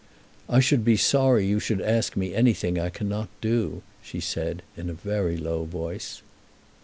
"I should be sorry you should ask me anything I cannot do," she said in a very low voice.